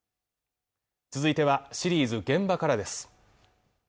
続いてはシリーズ「現場から」です